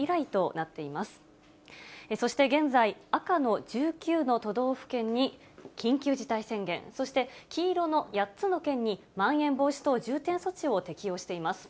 そして現在、赤の１９の都道府県に緊急事態宣言、そして黄色の８つの県にまん延防止等重点措置を適用しています。